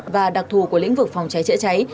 và đặc thù của lĩnh vực phòng cháy chữa cháy